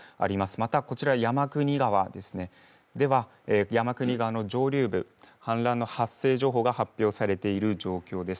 またこちら山国川では山国川の上流部、氾濫発生情報が発表されている状況です。